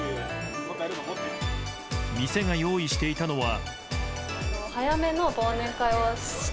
店が用意していたのは。